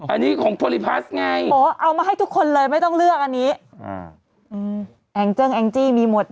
อันนี้ของไงโอ้เอามาให้ทุกคนเลยไม่ต้องเลือกอันนี้อ่าอืมแองเจิ่งแองจี้มีหมดนะ